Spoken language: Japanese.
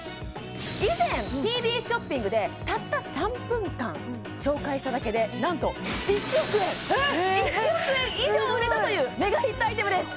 以前ＴＢＳショッピングでたった３分間紹介しただけでなんと１億円１億円以上売れたというメガヒットアイテムです